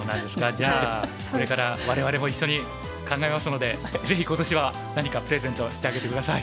じゃあこれから我々も一緒に考えますのでぜひ今年は何かプレゼントしてあげて下さい。